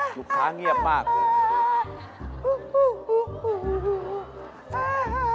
ลูกค้าเงียบมากเลย